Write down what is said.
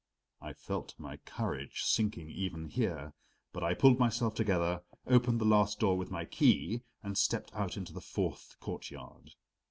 I felt my courage sinking even here, but I pulled myself together, opened the last door with my key and stepped out into the fourth courtyard.